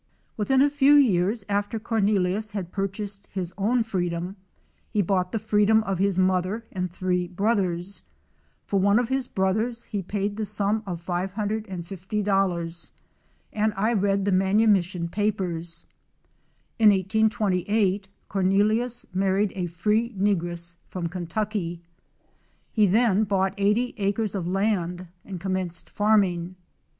Within a few years after Cornelius had purchased his own freedom he bought the freedom of his mother and three brothers. For one of his brothers he paid the sum of $550 00, and I read the manumission papers. In 1828 Cornelius married a free negress from Kentucky. He then bought 80 acres of land and commenced farming.